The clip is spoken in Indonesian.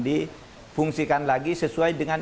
difungsikan lagi sesuai dengan